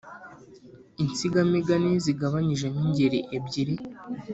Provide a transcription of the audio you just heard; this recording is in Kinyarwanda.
Insigamigani zigabanyijemo ingeri ebyiri